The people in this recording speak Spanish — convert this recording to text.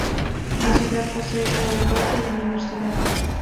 La ciudad posee aeropuerto y universidad.